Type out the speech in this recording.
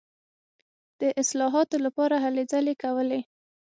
د اصلاحاتو لپاره هلې ځلې کولې.